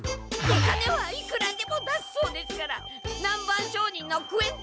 お金はいくらでも出すそうですから南蛮商人のクエン